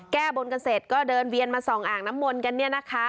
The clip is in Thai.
แก้บนกันเสร็จก็เดินเวียนมาส่องอ่างน้ำมนต์กันเนี่ยนะคะ